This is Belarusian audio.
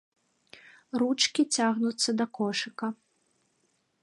Ручкі цягнуцца да кошыка.